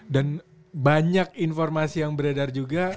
dan banyak informasi yang beredar juga